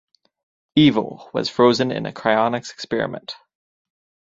Evil, was frozen in a cryonics experiment.